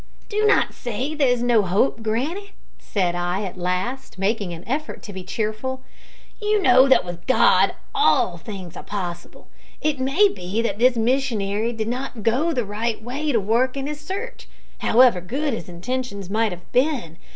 "Do not say there is no hope, granny," said I at last, making an effort to be cheerful. "You know that with God all things are possible. It may be that this missionary did not go the right way to work in his search, however good his intentions might have been.